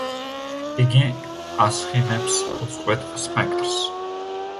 იგი ასხივებს უწყვეტ სპექტრს.